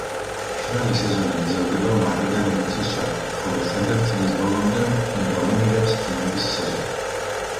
მშრალი სეზონი გრძელდება მარტიდან ივლისის ჩათვლით, ხოლო შემდეგ, წლის ბოლომდე დომინირებს წვიმების სეზონი.